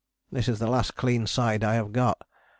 This is the last clean side I have got.